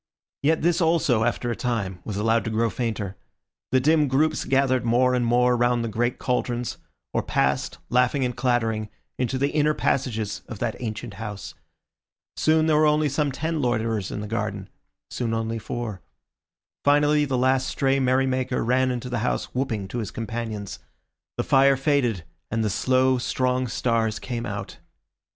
Yet this also, after a time, was allowed to grow fainter; the dim groups gathered more and more round the great cauldrons, or passed, laughing and clattering, into the inner passages of that ancient house. Soon there were only some ten loiterers in the garden; soon only four. Finally the last stray merry maker ran into the house whooping to his companions. The fire faded, and the slow, strong stars came out.